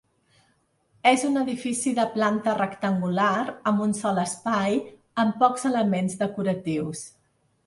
És un edifici de planta rectangular amb un sol espai, amb pocs elements decoratius.